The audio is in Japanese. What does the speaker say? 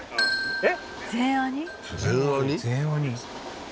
えっ？